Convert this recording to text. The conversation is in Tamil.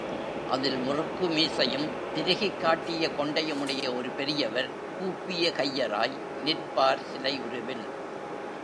அதில் முறுக்கு மீசையும் திருகிக் காட்டிய கொண்டையும் உடைய ஒரு பெரியவர் கூப்பிய கையராய் நிற்பார் சிலை உருவில்.